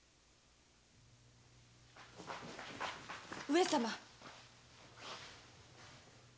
上様！